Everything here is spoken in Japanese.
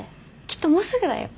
きっともうすぐだよ。